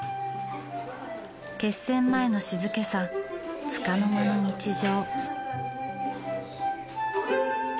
決戦前の静けさつかの間の日常。